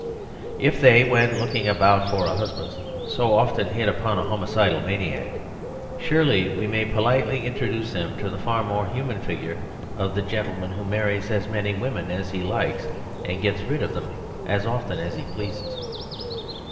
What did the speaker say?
If they, when looking about for a husband, so often hit upon a homicidal maniac, surely we may politely introduce them to the far more human figure of the gen tleman who marries as many women as he likes and gets rid of them as often as he pleases.